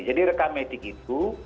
jadi rekam medik itu